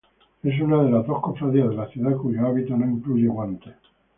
Es una de las dos cofradías de la ciudad cuyo hábito no incluye guantes.